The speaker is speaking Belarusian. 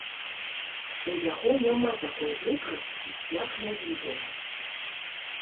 У яго няма такой вопраткі, як на відэа.